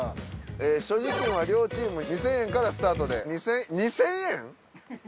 えぇ所持金は両チーム２，０００円からスタートで２，０００円！？